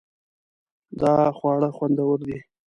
دا خواړه خوندور دي